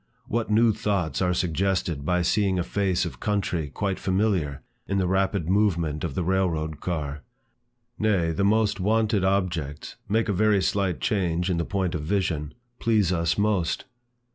What new thoughts are suggested by seeing a face of country quite familiar, in the rapid movement of the rail road car! Nay, the most wonted objects, (make a very slight change in the point of vision,) please us most.